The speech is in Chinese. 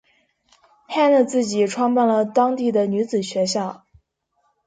Hannah 自己创办了当地的女子学校。